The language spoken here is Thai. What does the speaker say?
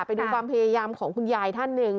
ไปดูความพยายามของคุณยายท่านหนึ่ง